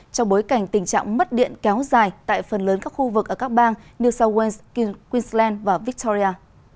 trong bối cảnh tình trạng mất điện kéo dài tại phần lớn các khu vực ở các bang new south wales queensland và victoria